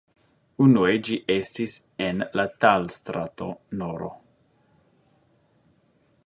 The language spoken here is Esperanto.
Unue ĝi estis en la Tal-strato nr.